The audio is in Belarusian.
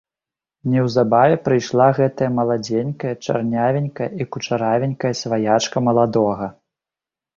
Неўзабаве прыйшла гэтая маладзенькая чарнявенькая і кучаравенькая сваячка маладога.